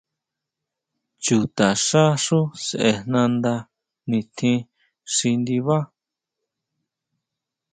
Chutaxá xú sʼejnanda nitjín xi ndibá.